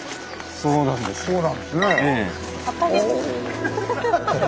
そうなんですね。